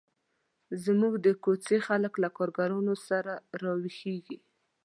زموږ د کوڅې خلک له کارګرانو سره را ویښیږي.